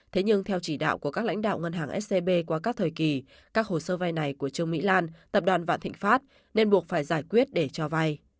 thế nhưng theo chỉ đạo của các lãnh đạo ngân hàng scb qua các thời kỳ các hồ sơ vay này của trương mỹ lan tập đoàn vạn thịnh pháp nên buộc phải giải quyết để cho vay